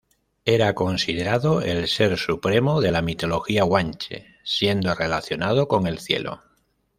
Era considerado el Ser Supremo de la mitología guanche, siendo relacionado con el cielo.